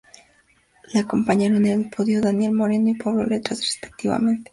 Le acompañaron en el podio Daniel Moreno y Pablo Lastras, respectivamente.